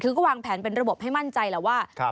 คือก็วางแผนเป็นระบบให้มั่นใจแล้วว่า